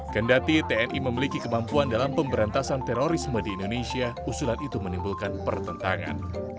kendati tni memiliki kemampuan dalam pemberantasan terorisme di indonesia usulan itu menimbulkan pertentangan